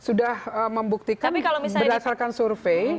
sudah membuktikan berdasarkan survei